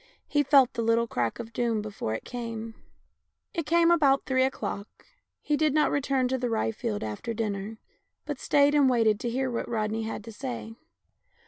He felt the little crack of doom before it came. It came about three o'clock. He did not return to the rye field after dinner, but stayed and waited to hear what Rodney had to say.